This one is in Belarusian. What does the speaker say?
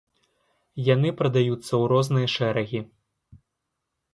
Яны прадаюцца ў розныя шэрагі.